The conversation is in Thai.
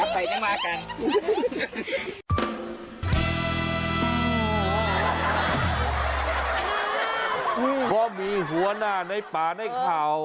เพราะมีหัวหน้าในป่าในข่าว